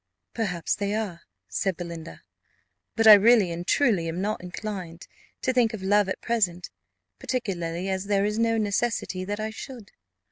"Perhaps they are," said Belinda; "but I really and truly am not inclined to think of love at present; particularly as there is no necessity that I should."